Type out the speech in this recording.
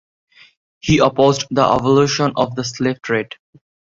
He opposed the abolition of the slave trade.